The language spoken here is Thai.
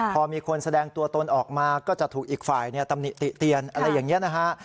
พอมีคนแสดงตัวตนออกมาก็จะถูกอีกฝ่ายตำหนิติเตียนอะไรอย่างนี้นะฮะ